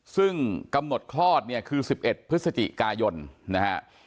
ซึ่งกำหนดคลอดเนี่ยคือ๑๑พฤศจิกายนนะฮะ